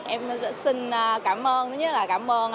em xin cảm ơn